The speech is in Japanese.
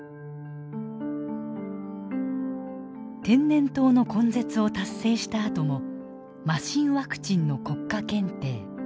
天然痘の根絶を達成したあとも麻疹ワクチンの国家検定